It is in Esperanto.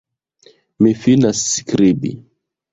Mi finas skribi.